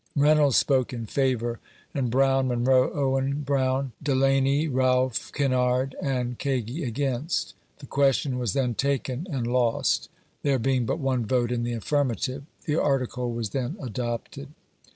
Reynolds spoke in favor, and Brown, Munroe, Owen Brown. Dela ny, Realf, Kinnard and Kagi against. The cmestion was then, taken and lost, there being but one rote in the affirmative. The article was then adopted.